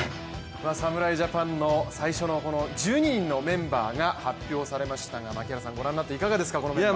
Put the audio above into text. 侍ジャパンの最初の１２人のメンバーが発表されましたが槙原さん、ご覧になっていかがですか、このメンバー。